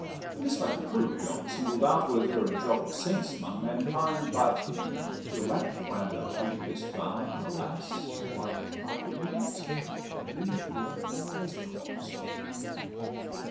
This I could prove beyond a single doubt, Were there a jot of sense among mankind; But till that point d'appui is found, alas! Like Archimedes, I leave earth as 'twas.